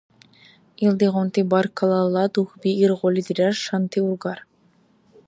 Илдигъунти баркаллала дугьби иргъули дирар шанти-ургар.